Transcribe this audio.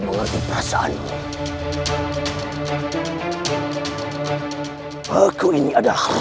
memang itulah yang aku harapkan